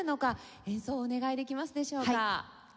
演奏をお願いできますでしょうか？